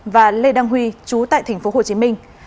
và lê đăng huy chú tại tp hồ chí minh